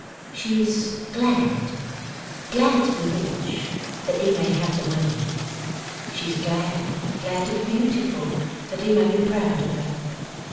'She is glad, glad, to be rich, that he may have the money. She is glad, glad, to be beautiful, that he may be proud of her.